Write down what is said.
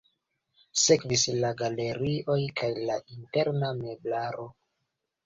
Sekvis la galerioj kaj la interna meblaro.